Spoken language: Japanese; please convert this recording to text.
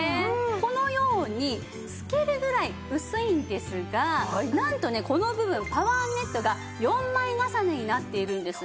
このように透けるぐらい薄いんですがなんとねこの部分パワーネットが４枚重ねになっているんですね。